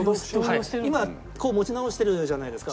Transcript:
今こう持ち直してるじゃないですか。